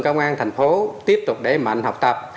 công an thành phố tiếp tục đẩy mạnh học tập